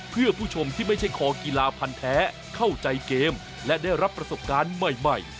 เพื่อผู้ชมที่ไม่ใช่คอกีฬาพันธ์แท้เข้าใจเกมและได้รับประสบการณ์ใหม่